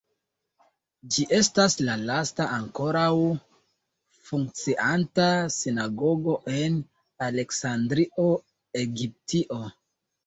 Ĝi estas la lasta ankoraŭ funkcianta sinagogo en Aleksandrio, Egiptio.